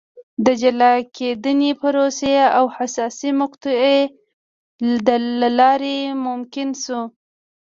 د جلا کېدنې پروسې او حساسې مقطعې له لارې ممکن شو.